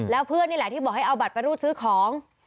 แล้วเพื่อนนี่แหละที่บอกให้เอาบัตรไปรูดซื้อของ